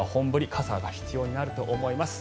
傘が必要になると思います。